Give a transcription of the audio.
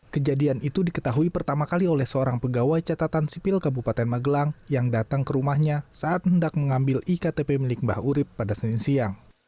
kejadian itu diketahui pertama kali oleh seorang pegawai catatan sipil kabupaten magelang yang datang ke rumahnya saat hendak mengambil iktp milik mbah urib pada senin siang